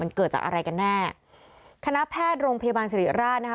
มันเกิดจากอะไรกันแน่คณะแพทย์โรงพยาบาลสิริราชนะคะ